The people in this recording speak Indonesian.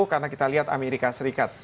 karena kita lihat amerika serikat